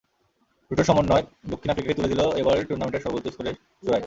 দুটোর সমন্বয় দক্ষিণ আফ্রিকাকে তুলে দিল এবারের টুর্নামেন্টের সর্বোচ্চ স্কোরের চূড়ায়।